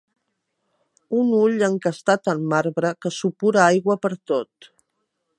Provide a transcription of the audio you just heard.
Un ull encastat en marbre que supura aigua pertot.